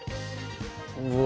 うわ。